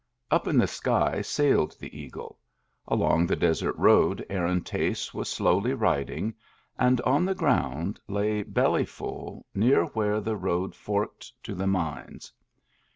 Up in the sky sailed the eagle; along the desert road Aaron Tace was slowly riding; and on the ground lay Bellyful, near where the road forked to the mines.